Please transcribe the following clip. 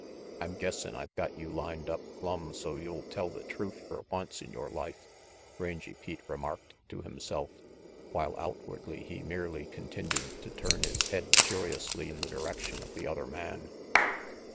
"I'm guessin I've got you lined up plumb so's you'll tell the truth fer once in yore life," Rangy Pete remarked to himself, while outwardly he merely continued to turn his head curiously in the direction of the other man.